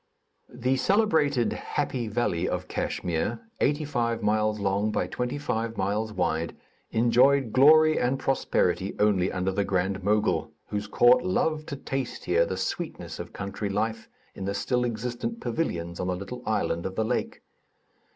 The celebrated "happy valley" of Kachmyr (eighty five miles long by twenty five miles wide) enjoyed glory and prosperity only under the Grand Mogul, whose court loved to taste here the sweetness of country life, in the still existent pavilions on the little island of the lake.